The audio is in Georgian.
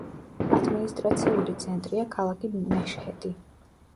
ადმინისტრაციული ცენტრია ქალაქი მეშჰედი.